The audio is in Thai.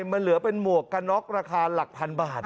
มันเหลือเป็นหมวกกันน็อกราคาหลักพันบาท